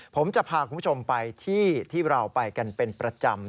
ผมจะพาคุณผู้ชมไปที่ที่เราไปกันเป็นประจำ